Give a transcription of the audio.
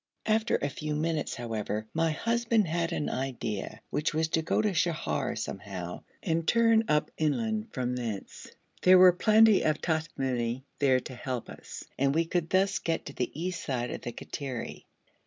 After a very few minutes, however, my husband had an idea, which was to go to Sheher somehow, and turn up inland from thence; there were plenty of Tamimi there to help us, and we could thus get to the east side of the Kattiri.